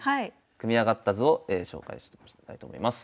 組み上がった図を紹介したいと思います。